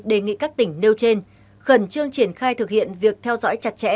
đề nghị các tỉnh nêu trên khẩn trương triển khai thực hiện việc theo dõi chặt chẽ